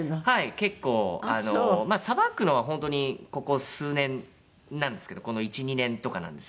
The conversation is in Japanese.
結構あのまあさばくのは本当にここ数年なんですけどこの１２年とかなんですけど。